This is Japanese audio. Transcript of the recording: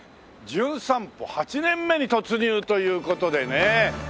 『じゅん散歩』８年目に突入という事でね